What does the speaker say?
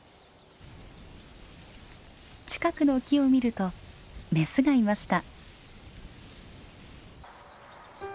近くの木を見るとメスがいました。